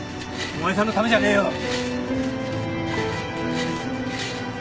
お前さんのためじゃねえよ。